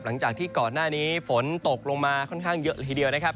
หลังจากที่ก่อนหน้านี้ฝนตกลงมาค่อนข้างเยอะละทีเดียวนะครับ